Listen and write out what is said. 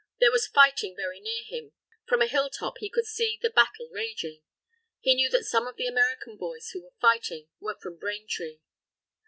There was fighting very near him. From a hilltop, he could see the battle raging. He knew that some of the American boys who were fighting, were from Braintree.